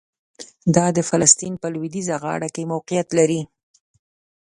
دا د فلسطین په لویدیځه غاړه کې موقعیت لري.